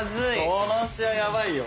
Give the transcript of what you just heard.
この試合ヤバいよ。